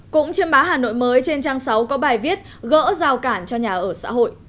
cũng trên báo hà nội mới trên trang sáu có bài viết gỡ rào cản cho nhà ở xã hội